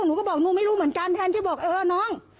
หนูก็บอกหนูไม่รู้เหมือนกันแทนที่บอกเออน้อง